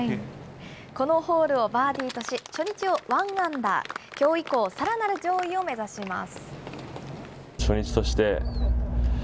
このホールをバーディーとし、初日をワンアンダー、きょう以降、さらなる上位を目指します。